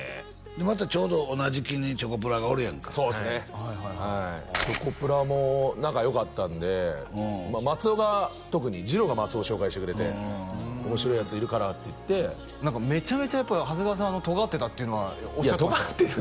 でまたちょうど同じ時期にチョコプラがおるやんかはいそうですねはいチョコプラも仲よかったんで松尾が特にじろうが松尾紹介してくれて面白いヤツいるからっていって何かめちゃめちゃやっぱ長谷川さんはとがってたっていうのはおっしゃってましたよ